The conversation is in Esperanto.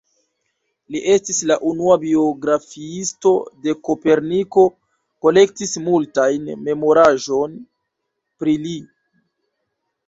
Li estis la unua biografiisto de Koperniko, kolektis multajn memoraĵojn pri li.